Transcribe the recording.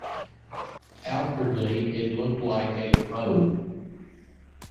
Outwardly it looked like a commode.